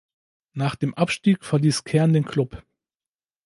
Nach dem Abstieg verließ Kern den Klub.